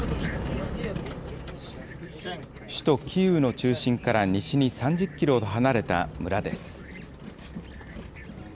首都キーウの中心から西に３０キロほど離れた村です。